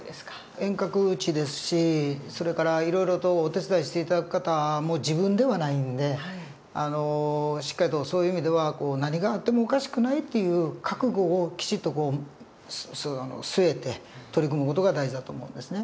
遠隔地ですしそれからいろいろとお手伝いして頂く方も自分ではないんでしっかりとそういう意味では何があってもおかしくないっていう覚悟をきちっと据えて取り組む事が大事だと思うんですね。